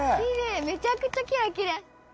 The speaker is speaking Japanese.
めちゃくちゃキラキラ。